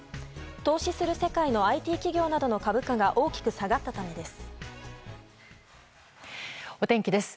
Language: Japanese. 投資する世界のＩＴ企業などの株価が大きく下がったためです。